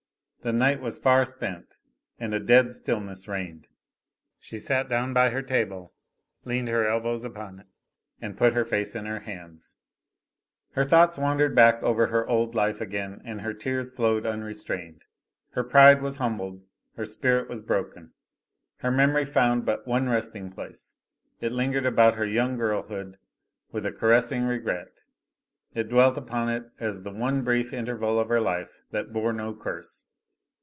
The night was far spent, and a dead stillness reigned. She sat down by her table, leaned her elbows upon it and put her face in her hands. Her thoughts wandered back over her old life again and her tears flowed unrestrained. Her pride was humbled, her spirit was broken. Her memory found but one resting place; it lingered about her young girlhood with a caressing regret; it dwelt upon it as the one brief interval of her life that bore no curse.